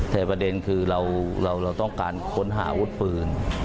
แต่ประเด็นคือเราต้องการค้นหาอาวุธปืน